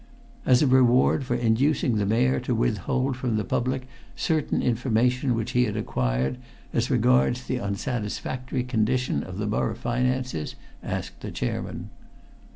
"As reward for inducing the Mayor to withhold from the public certain information which he had acquired as regards the unsatisfactory condition of the borough finances?" asked the chairman.